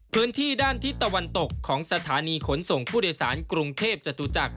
พื้นที่ด้านทิศตะวันตกของสถานีขนส่งผู้โดยสารกรุงเทพจตุจักร